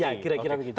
ya kira kira begitu